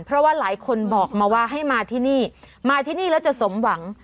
เพราะว่าหลายคนบอกมาว่าให้มาที่นี่มาที่นี่แล้วจะสมหวัง